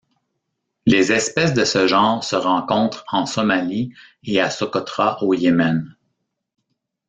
Les espèces de ce genre se rencontrent en Somalie et à Socotra au Yémen.